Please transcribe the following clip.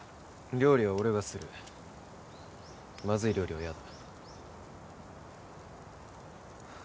料理は俺がするまずい料理は嫌だ